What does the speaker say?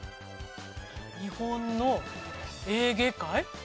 日本のエーゲ海？